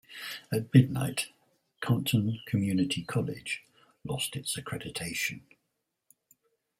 At midnight, Compton Community College lost its accreditation.